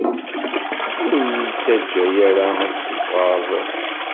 Ur iyi-ttaǧǧa ara ad ssufɣeɣ ṛṛuḥ!